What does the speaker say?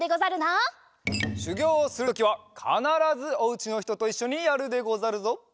しゅぎょうをするときはかならずおうちのひとといっしょにやるでござるぞ。